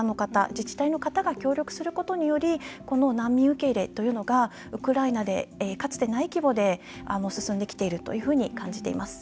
自治体の方が協力することによりこのなんみん受け入れというのがウクライナでかつてない規模で進んできているというふうに感じています。